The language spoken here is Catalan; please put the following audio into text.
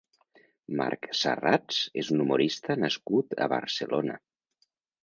Marc Sarrats és un humorista nascut a Barcelona.